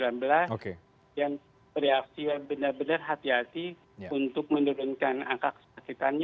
dan bereaksi benar benar hati hati untuk menurunkan angka kesakitannya